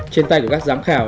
trên tay của các giám khảo